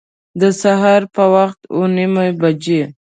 د سهار په وخت اوه نیمي بجي